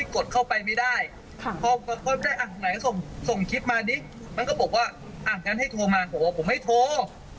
คลิปมาดิมันก็บอกว่าอ่ะงั้นให้โทรมาผมว่าผมไม่โทร